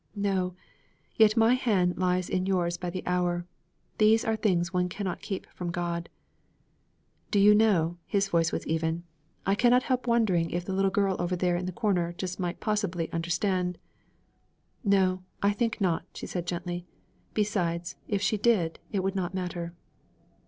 'No; yet my hand lies in yours by the hour. These are things one cannot keep from God.' 'Do you know,' his voice was even, 'I cannot help wondering if the little girl over there in the corner just might possibly understand.' 'No; I think not,' she said gently; 'besides, if she did, it would not matter.'